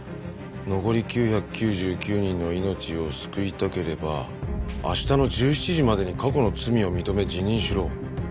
「残り９９９人の命を救いたければ明日の１７時までに過去の罪を認め辞任しろ」